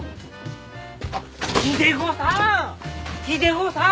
秀子さん！